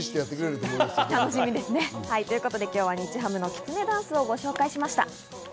楽しみですね。ということで、今日は日ハムのきつねダンスをご紹介しました。